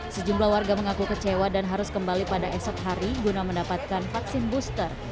sejumlah warga mengaku kecewa dan harus kembali pada esok hari guna mendapatkan vaksin booster